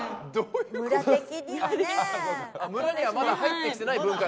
村にはまだ入ってきてない文化なんですか？